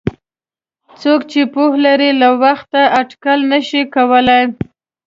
څوک چې پوهه لري له وخته اټکل نشي کولای.